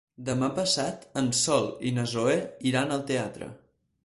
Demà passat en Sol i na Zoè iran al teatre.